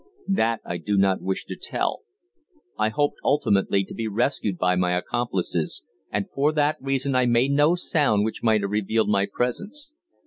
"That I do not wish to tell. I hoped ultimately to be rescued by my accomplices, and for that reason I made no sound which might have revealed my presence.